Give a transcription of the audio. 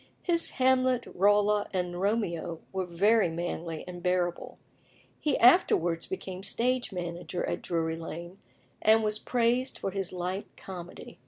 His Hamlet, Rolla, and Romeo were very manly and bearable. He afterwards became stage manager at Drury Lane, and was praised for his light comedy.